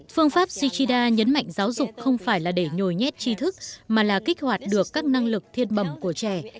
phương pháp shichida nhấn mạnh giáo dục không phải là để nhồi nhét chi thức mà là kích hoạt được các năng lực thiên bẩm của trẻ